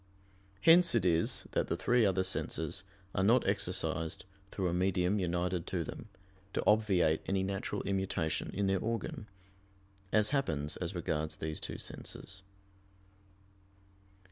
Hence it is that the three other senses are not exercised through a medium united to them, to obviate any natural immutation in their organ; as happens as regards these two senses.